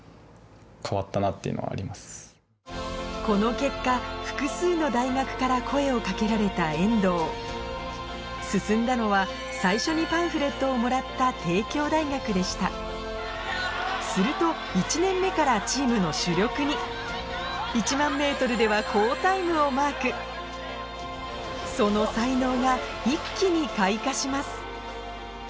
この結果複数の大学から声を掛けられた遠藤進んだのは最初にパンフレットをもらった帝京大学でしたすると１年目からチームの主力に１００００ｍでは好タイムをマークその才能が一気に開花します